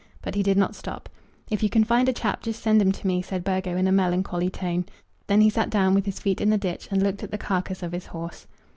But he did not stop, "If you can find a chap just send him to me," said Burgo in a melancholy tone. Then he sat down, with his feet in the ditch, and looked at the carcase of his horse.